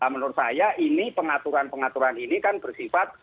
menurut saya ini pengaturan pengaturan ini kan bersifat